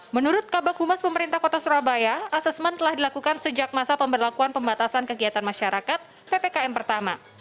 menurut kabak humas pemerintah kota surabaya asesmen telah dilakukan sejak masa pemberlakuan pembatasan kegiatan masyarakat ppkm pertama